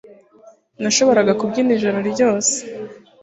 Nashoboraga kubyina ijoro ryose